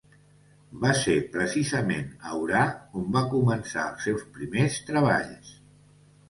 Va ser precisament a Orà on va començar els seus primers treballs.